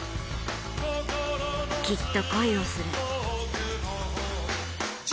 きっと恋をする。